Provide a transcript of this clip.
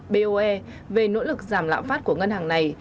boe về nỗ lực giảm lạm phát của ngân hàng này